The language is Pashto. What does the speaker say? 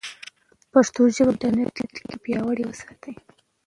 پښتو ژبه په انټرنیټ کې پیاوړې وساتئ.